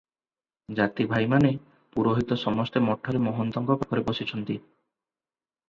ଜାତି ଭାଇମାନେ, ପୁରୋହିତ ସମସ୍ତେ ମଠରେ ମହନ୍ତଙ୍କ ପାଖରେ ବସିଛନ୍ତି ।